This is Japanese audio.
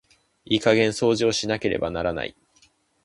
いい加減掃除をしなければならない。